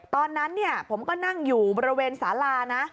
ตอนนั้นผมก็นั่งอยู่บริเวณสาลานะ